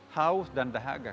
haus dan dahaga